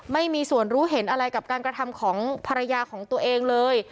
ไม่มีส่วนรู้เห็นอะไรกับการกระทำของภรรยาของตัวเองเลย